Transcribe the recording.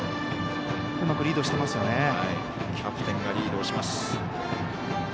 うまくリードしていますよね。